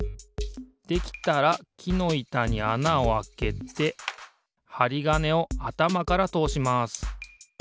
できたらきのいたにあなをあけてはりがねをあたまからとおします。